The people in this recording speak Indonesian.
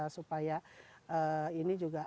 supaya ini juga